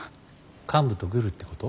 幹部とグルってこと。